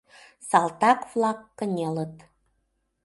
Салтак-влак кынелыт.